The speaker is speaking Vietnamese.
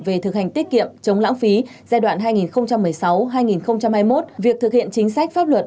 về thực hành tiết kiệm chống lãng phí giai đoạn hai nghìn một mươi sáu hai nghìn hai mươi một việc thực hiện chính sách pháp luật